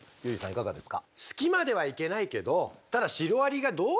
いかがですか？